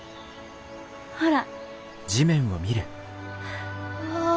ほら。